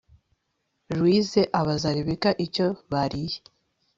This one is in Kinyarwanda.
louise abaza rebecca icyo bariye